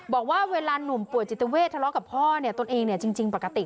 บอกว่าเวลานุ่มป่วยจิตเวททะเลาะกับพ่อเนี่ยตนเองเนี่ยจริงปกติ